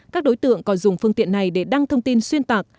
các đối tượng còn dùng phương tiện này để đăng thông tin xuyên tạc